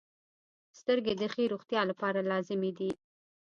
• سترګې د ښې روغتیا لپاره لازمي دي.